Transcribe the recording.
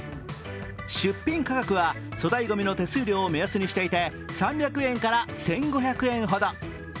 出品価格は粗大ごみの手数料を目安にしていて３００円から１５００円ほど。